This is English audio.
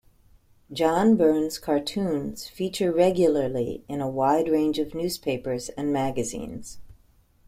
John Byrne's cartoons feature regularly in a wide range of newspapers and magazines.